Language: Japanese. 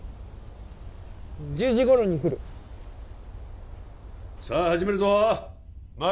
１０時頃に降るさあ始めるぞー